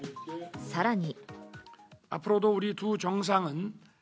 さらに。